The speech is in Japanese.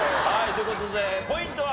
という事でポイントは？